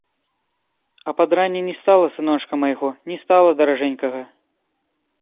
А пад ранне не стала сыночка майго, не стала даражэнькага.